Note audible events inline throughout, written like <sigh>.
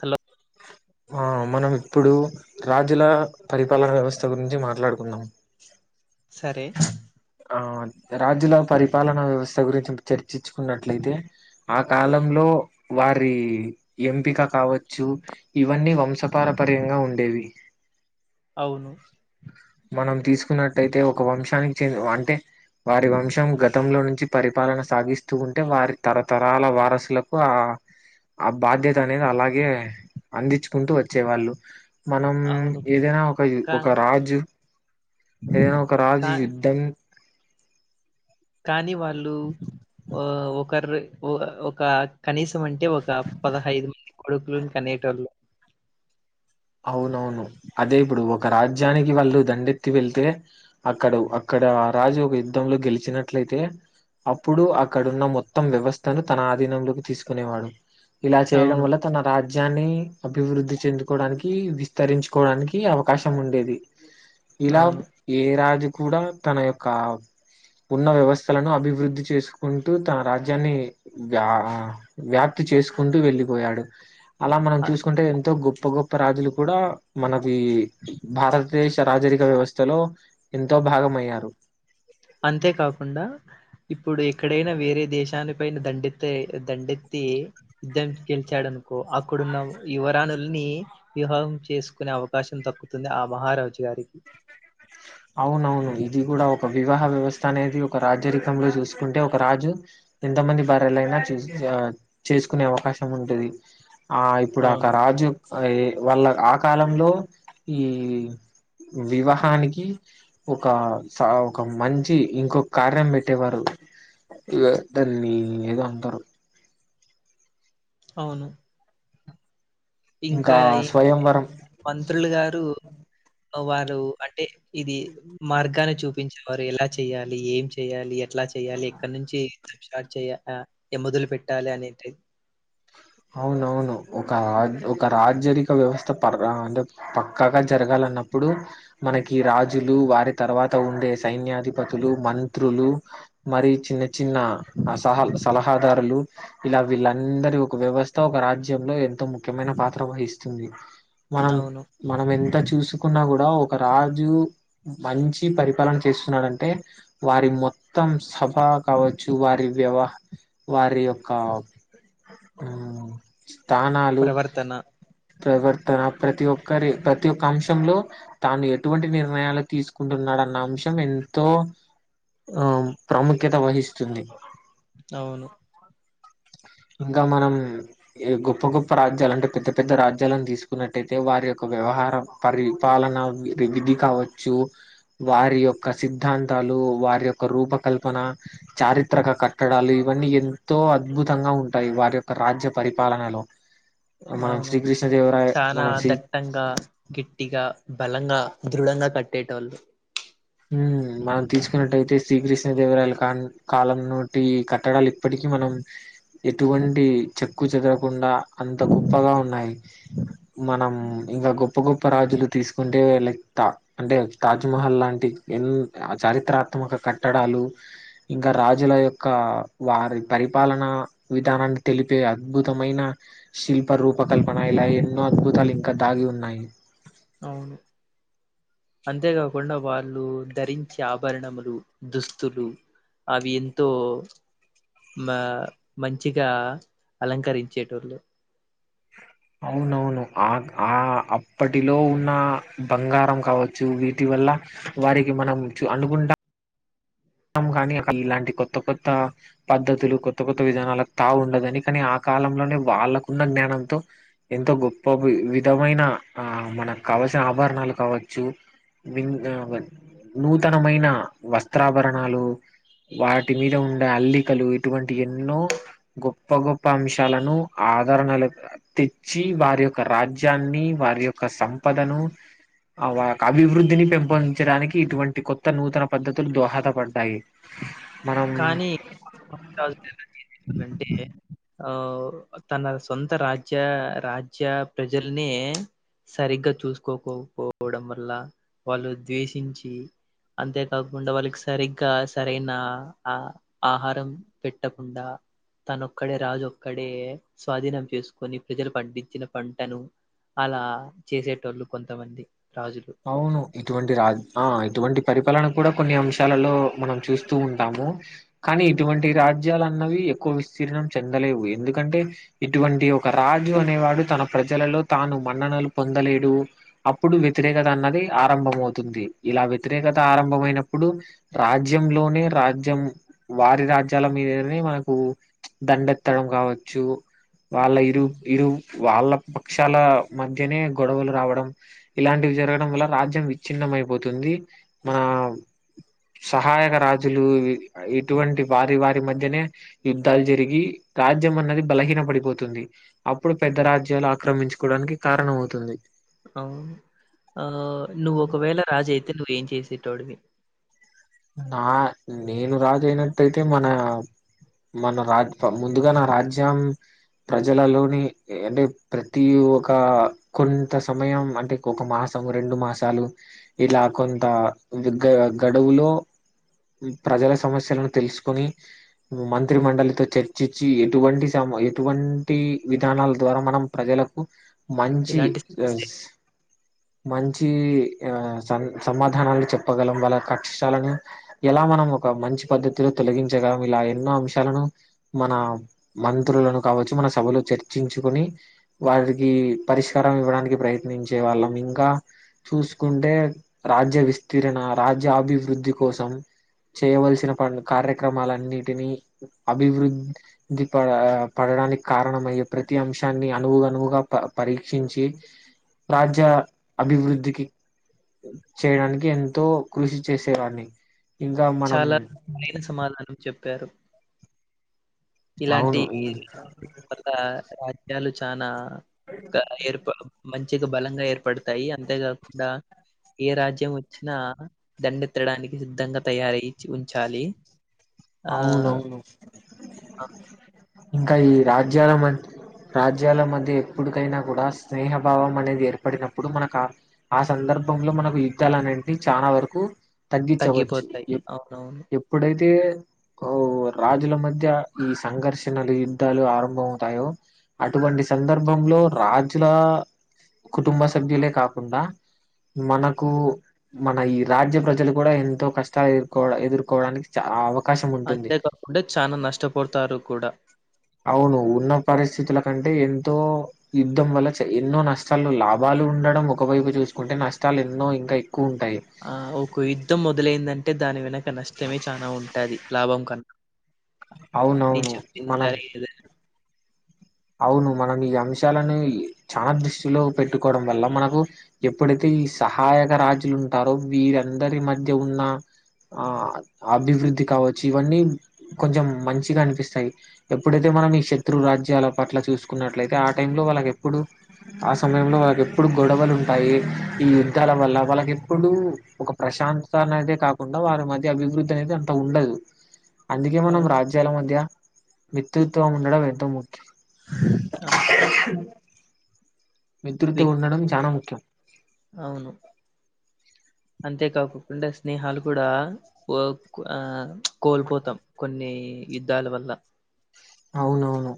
Hello ఆ మనం ఇప్పుడు రాజుల పరిపాలన వ్యవస్థ గురించి మాట్లాడుకుందాం సరే రాజ్యుల పరిపాలనా వ్యవస్థ గురించి చర్చించుకున్నట్లయితే ఆ కాలంలో వారి ఎంపిక కావచ్చు ఇవన్నీ అంశపారపర్యంగా ఉండేవి అవును మనం తీసుకున్నట్టయితే ఒక వంశానికి చె అంటే వారి వంశం గతంలో నుంచి పరిపాలన సాగిస్తూ ఉంటే వారి తరతరాల వారసులకు ఆ ఆ బాధ్యత అనేది అలాగే అందించుకుంటూ వచ్చే వాళ్ళు మనం అవును ఏదైనా ఒక కా ఒక రాజు ఏదైనా ఒక రాజ్ కా యుద్ధం కానీ వాళ్ళు ఒకరు ఒక కనీస ం అంటే ఒక పదహైదు మంది కొడుకులుని కనేటోళ్ళు అవునవును అదే ఇప్పుడు ఒక రాజ్యానికి వాళ్ళు దండెత్తి వెళ్తే అక్కడు అక్కడ ఇక్కడ రాజు ఒక యుద్ధంలో గెలిచినట్లయితే అప్పుడు అక్కడున్న మొత్తం వ్యవస్థను తన ఆధీనంలోకి తీసుకునేవాడు ఇలా చేయడం అవును వల్ల తన రాజ్యాన్ని అభివృద్ధి చెందుకోవడానికి విస్తరించుకోవడానికి అవకాశం ఉండేది ఇలా అవును ఏ రాజు కూడా తన యొక్క ఉన్న వ్యవస్థలను అభివృద్ధి చేసుకు కుంటూ తన రాజ్యాన్ని వ వ్యాప్తి చేసుకుంటూ వెళ్ళిపోయాడు అలా మనం అ- చూసుకుంటే ఎంతో గొప్ప గొప్ప ప్ప రాజులు కూడా మనకి భారతదేశ రాజరిక వ్యవస్థలో ఎంతో భాగమయ్యారు అంతే కాకుండా ఇప్పుడు ఎక్కడైనా వేరే దేశాని పైన దండెత్తి దండెత్తి యుద్ధం గెలిచాడను కొ అక్కడున్న ఓ యువరాణి ని వివాహం చేసుకునే అవకాశం దక్కుతుంది ఆ మహారాజు గారికి. అవునవును, ఇది కూడా ఒక వివాహ వ్యవస్థ అనేది ఒక రాజరికంలో చూసుకుంటే, ఒక రాజు ఎంతమంది భార్యలైనా చే చేసుకునే అవకాశం ఉంటది. ఆ ఇప్పుడు అక అవును రాజు ఎ వాళ్ళ ఆ కాలంలో ఈ వివాహానికి ఒక ఒక మంచి ఇంకొక కార్యం పెట్టేవారు. ఇవటన్నీ ఏదో అంటారు. అవును ఇంకా ఈ మంత్రులు గారు వారు అంటే ఇది మార్గాన్ని చూపించేవారు ఎలా చెయ్యాలి ఏం చెయ్యాలి. ఎట్లా చెయాలి ఎక్కడ నుంచి స్టార్ట్ చే ఎక్కడ నుంచి మొదలు పెట్టాలి అనే అవునవును, ఒక ఒక రాజరిక వ్యవస్థ పర్ అంటే పక్కగా జరగాలంటే అప్పుడు మనకి రాజులు వారి తర్వాత ఉండే సైన్యాధిపతులు, మంత్రులు మరి చిన్న చిన్న అ సహ సలహాదారులు ఇలా వీళ్ళందరి ఒక వ్యవస్థ ఒక రాజ్యంలో ఎంతో ముఖ్యమైన పాత్ర వహిస్తుంది. మనం అవును. మనం ఎ అంత చూసుకున్నా కూడా, ఒక రాజు మంచి పరిపాలన చేస్తున్నాడంటే వారి మొత్తం సభ కావచ్చు వారి వ్యవ వారి యొక్క స్థానాలు ప్రవర్తన. ప్రవర్తన ప్రతి ఒక్క ఒకరి ప్రతి ఒక్క అంశంలో తాను ఎటువంటి నిర్ణయాలు తీసుకుంటున్నాడన్న అంశం ఎంతో ఆ ప్రాముఖ్యత వహిస్తుంది. అవును మ్ మనం ఈ గొప్ప గొప్ప రాజ్యాలు అంటే, పెద్ద పెద్ద రాజ్యాలను తీసుకున్నట్టయితే వారి యొక్క వ్యవహారం. పరిపాలన విధి విధి కావచ్చు. వారి యొక్క సిద్ధాంతాలు, వారి యొక్క రూపకల్పన, చారిత్రక కట్టడాలు ఇవన్నీ ఎంతో అద్భుతంగా ఉంటాయి. వారి యొక్క రాజ్య పరిపాలనలో. మనం అవును శ్రీకృష్ణదేవరాయ చనా మనం శ్రీ దట్టంగా, గట్టిగా బల లంగా దృఢంగా కట్టేటోళ్ళు. మ్ మనం తీసుకున్నట్టయితే, శ్రీకృష్ణ దేవరాాల కాలం నాటి ఈ కట్టడాలు ఇప్పటికీ మనం ఎటువంటి చెక్కు చెదరకుండా అంత గొప్పగా ఉన్నాయి. మనం ఇంకా గొప్ప గొప్ప రాజులు తీసుకుంటే లెత అంటే తాజ్మహల్ లాంటి ఎన్ చారిత్రాత్మక కట్టడాలు, ఇంకా రాజుల యొక్క వారి పరి పరిపాలనా విధానాన్ని తెలిపే అద్భుతమైన శిల్ప రూపకల్పన ఇలా ఎన్నో అద్భూతాలు ఇంకా దాగి ఉన్నాయి. అవును. అంతేకాకుండా వాళ్ళు ధరించే ఆభరణములు, దుస్తులు అవి ఎంతో మ మంచిగా అలంకరించేటోళ్ళు. అవునవును ఆ ఆ అప్పటిలో ఉన్న బంగారం కావచ్చు వీటి వల్ల వారికి మనం అనుకుంటా మొత్తం కానీ ఇలాంటి కొత్త కొత్త పద్ధతులు కొత్త కొత్త విధానాలకు తావు ఉండదని కానీ ఆ కాలంలోనే వాళ్ళకున్న జ్ఞానంతో, ఎంతో గొప్ప వి విధమైన ఆ మన కవ ఆభరణాలు కావచ్చు నూతనమైన వ ఆభరణాలు వాటి మీద ఉండే అల్లికలు ఇటువంటి ఎన్నో గొప్ప గొప్ప అంశాలను ఆదరణలు తెచ్చి వారి యొక్క రాజ్యాన్ని, వారి యొక్క సంపదను అభివృద్ధిని పెంపొందించడానికి ఇటువంటి కొత్త నూతన పద్ధతులు దోహ పడ్డాయి. కానీ <unintelligible> ఆ తన సొంత రాజ్య రాజ్య ప్రజల్ని సరిగ్గా చూసుకోకపోవడం వల్ల వాళ్ళు ద్వేషించి అంతే కాకుండా వాళ్ళకి సరిగ్గా సరైన ఆ ఆహారం పెట్టకుండా తనొక్కడే రాజోక్కడే స్వాధీనం చేసుకొని ప్రజలు పండించిన పంటను అలా చేసేటోళ్ళు కొంతమంది. రాజులు అవును ఇటువంటి రాజ ఆ ఇటువంటి పరిపాలన కూడా కొన్ని అంశాలలో మనం చూస్తూ ఉంటాము. కానీ ఇటువంటి రాజ్యాలన్నవి ఎక్కువ విస్తీర్ణ మ్ చెందలేవు ఎందుకంటే ఇటువంటి ఒక రాజు అనేవాడు తన ప్రజలలో తాను మన్ననలు పొందలేడు అప్పుడు వ్యతిరేకత అన్నది ఆరంభంమవుతుంది ఇలా వ్యతిరేకత ఆరంభమయినప్పుడు రాజ్యంలోనే రాజ్యం వారి రాజ్యాల మీదనే మనకు దండెత్తడం కావచ్చు. వాళ్ళ ఇరువ్ ఉమ్. ఇరువ్ వాళ్ళ పక్షాల మధ్యనే గొడవలు రావడం. ఇలాంటివి జరగడం వల్ల రాజ్యం విచ్ఛిన్నమయిపోతుంది మన సహాయక రాజులు ఇటువంటి వారి వారి మధ్యనే యుద్ధాల్ జరిగి రాజ్యం అన్నది బలహీన పడిపోతుంది. అప్పుడు పెద్ద రాజ్యాలు ఆక్రమించుకోవడానికి కారణమవుతుంది. అవును. ఆ నువ్వొకవేళ రాజయితే నువ్వేం చేసే టోడువి. ఆ నేను రాజయినట్టయితే మన మన రాజ ముందుగా నా రాజ్యం. ప్రజలలోని అంటే ప్రతి ఒక కొంత సమయం అంటే ఒక మాస సం రెండు మాసలు ఇలా కొంత గ గడువులో ప్రజల సమస్యలను తెలుసుకొని మంత్రి మండలితో చర్చిచ్చి ఎటువంటి సమ ఎటువంటి విధానాల ద్వారా మనం ప్రజలకు మంచి ఇలాంటి స- చెస్ మంచి ఆ స సమాధానాలు చెప్పగలం వాళ్ళ కక్షాలను ఎలా మనం ఒక మంచి పద్దతిలో తొలగించగా ఇలా ఎన్నో అంశాలను మన మంత్రులను కావచ్చు మన సభలో చర్చించుకుని వారికి పరిష్కారం ఇవ్వడానికి ప్రయత్నిం చే వాళ్ళం ఇంకా చూసుకుంటే రాజ్య విస్తీరణ రాజ్యాభివృద్ధి కోసం చేయవలసిన పన్ కార్యక్రమాలన్నిటినీ అభివృద్ధి పడ పడ డానికి కారణమయ్యే ప్రతి అంశాన్ని అనువు అనువుగా ప పరీక్షించి రాజ్య అభివృద్ధికి చేయడానికి ఎంతో కృషి చేసేవాన్ని చాలా సరైన సమాధానం చెప్పారు. ఇలాంటి అవును <unintelligible> ఒక రాజ్యాలు చానా ఏర్ప మంచిగా బలంగా ఏర్పడతాయి అంతేకాకుండా ఏ రాజ్యం వచ్చినా దండెత్తడానికి సిద్ధంగా తయారై చ్చి ఉంచాలి. ఆ అవునవును. ఆ ఇంకా ఈ రాజ్యాల మద్ రాజ్యాల మధ్య ఎప్పుటికైనా కూడా స్నేహభావం అనేది ఏర్పడినప్పుడు మనకు ఆ సందర్ సందర్భ లో మనకు యుద్ధాలు అన్నింటి చాలా వరకు తగ్గించవచ్చు తగ్గిపోతాయి. ఎ అవునవును. ఎప్పుడైతే తే అవ్ రాజుల మధ్య ఈ సంఘర్షణలు యుద్ధాలు ఆరంభమవుతాయో అటువంటి సందర్భం లో రాజుల కుటుంబ సభ్యులే కాకుండా మనకు మన ఈ రాజ్య ప్రజలు కూడా ఎంతో కష్టాలు ఎదుర్కో ఎదుర్కోవడానికి చాలు అంతేకాకుండా చానా నష్టపోతారు కూడా అవును ఉన్న పరిస్థితుల కంటే ఎంతో యుద్ధం వల్ల ఎన్నో నష్టాలు లాభాలు ఉండడం ఒకవైపు చూసుకుంటే నష్టాలేన్నో ఇంకయ్. ఆ ఒక యుద్ధం మొదలైందంటే దాని వెనక నష్టమే చాలా ఉంటుది లాభం కనుక అవునవును మనం సరే ఏదైనా అవును మనం ఈ అంశాలని చాలా దృష్టిలో పెట్టుకోవడం వల్ల మనకు ఎప్పుడైతే సహాయక రాజులు ఉంటారో వీరందరి మధ్య ఉన్న ఆ అభివృద్ధి కావచ్చు ఇవన్నీ కొంచెం మంచిగా అనిపిస్తాయి ఎప్పుడైతే మనం ఈ శత్రు రాజ్యాల పట్ల చూసుకున్నట్లయితే ఆ టైంలో వాళ్ళకి ఎప్పుడడు ఆ సమయంలో వాళ్ళకి ఎప్పుడు గొడవలు ఉంటాయి ఈ యుద్ధాల వల్ల వాళ్ళకి ఎప్పుడు ఒక ప్రశాంతత అయితే కాకుండా వారి మధ్య అభివృద్ధి అనేది అంత ఉండదు అందుకే మనం అవును. రాజ్యాల మధ్య మిత్రుత్వం ఉండడం ఎంతో ముఖ్యం అ మిత్రుత ఉండడం చానా ముఖ్యం అవును అంతేకాకుండా స్నేహాలు కూడా ఆ కోల్పోతాం కొన్ని యుద్ధాల వల్ల అవునవును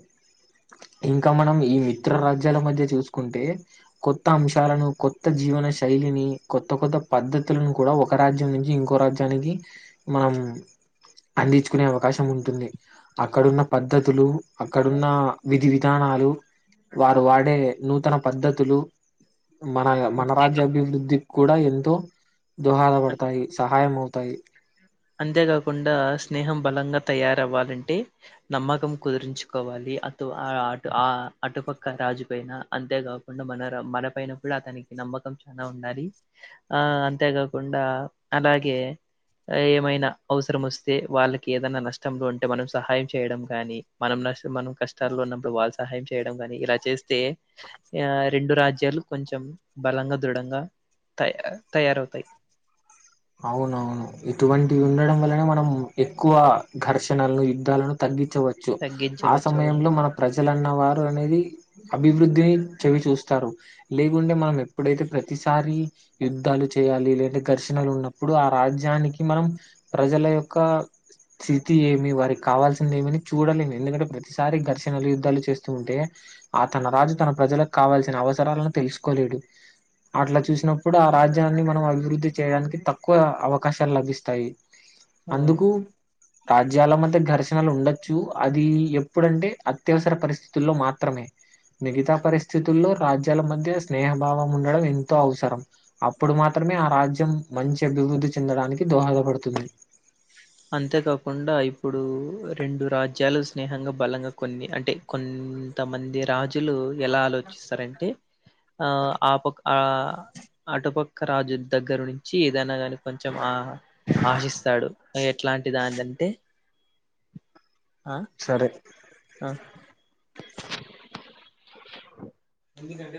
ఇంకా మనం ఈ మిత్ర రాజ్యాల మధ్య చూసుకుంటే కొత్త అంశాలను కొత్త జీవన మన శైలిని కొత్త కొత్త పద్ధతులను కూడా ఒక రాజ్యం నుంచి ఇంకో రాజ్యానికి మనం అందించుకునే అవకాశం ఉంటుంది అక్కడున్న పద్ధతులు అక్కడున్న విధి విధానాలు వారు వాడే నూతన పద్ధతులు మన మన రాజ్యాభివృద్ధికి కూడా ఎంతో దోహదపడతాయి సహాయం అవు తాయి అంతేకాకుండా స్నేహం బలంగా తయారవ్వాలంటే నమ్మకం కుదిరించుకోవాలి అటు అటు ఆ అటుపక్కన రాజుపైన అంతే కాకుండా మన మన పైనప్పుడు అతనికి నమ్మకం చానా ఉండాలి ఆ అంతేకాకుండా అలాగే ఏమైనా అవసరం వస్తే వాళ్ళకి ఏదైనా నష్టంలో ఉంటే మనం సహాయం చేయడం గానీ మనం నస్ మనం కష్టాల్లో ఉన్నప్పుడు వాళ్ళు సహాయం చేయడం గాని ఇలా చేస్తే ఆ రెండు రాజ్యాలు కొంచెం బలంగా దృఢంగా తయ తయారవుతాయి అవునవును ఇటువంటివి ఉండడం వల్లనే మనం ఎక్కువ ఘర్షణలను యుద్ధాలను తగ్గి వచ్చు ఆ తగ్గించవచ్చు అవును సమయంలో మన ప్రజలన్న వారు అనేది అభివృద్ధిని చవిచూస్తారు లేకుంటే మనం ఎప్పుడైతే ప్రతిసారి యుద్ధాలు చే లే ఘర్షణలు ఉన్నప్పుడు ఆ రాజ్యానికి మనం ప్రజల యొక్క స్థితి ఏమి వారికి కావాల్సింది ఏమని చూడలేం ఎందుకంటే ప్రతిసారి ఘర్షణలు యుద్ధాలు చేస్తూ ఉంటే ఆ తన రాజు తన ప్రజలకు కావాల్సిన అవసరాలను తెలుసుకోలేడు అట్లా చూసినప్పుడు ఆ రాజ్యాన్ని మనం అభివృద్ధి చేయడానికి త తక్కువ అవకాశాలు లభిస్తాయి అవును అందుకు రాజ్యాల మధ్య ఘర్షణలు ఉండొచ్చు అది ఎప్పుడంటే అత్యవసర పరిస్థితుల్లో మాత్రమే మిగతా పరిస్థితుల్లో రాజ్యాల మధ్య స్నేహభావం ఉండడం ఎంతో అవసరం అప్పుడు మాత్ మే ఆ రాజ్యం మంచి అభివృద్ధి చెందడానికి దోహదపడుతుంది అంతేకాకుండా ఇప్పుడు రెండు రాజ్యాలు స్నేహంగా బలంగా కొన్ని అంటే కొన్ ఇంత మంది రాజులు ఎలా ఆలోచిస్తారంటే ఆ ఆ ప ఆ అటుపక్క రాజు దగ్గర నుంచి ఏదైనా కాని కొంచెం ఆ ఆశిస్తాడు ఎట్లాంటి దానింటే సరే ఎందుకంటే